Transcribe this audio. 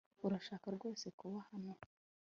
Urashaka rwose kuba hano